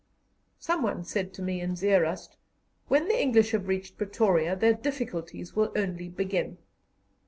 Someone said to me in Zeerust: "When the English have reached Pretoria their difficulties will only begin."